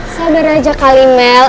sabar aja kali mel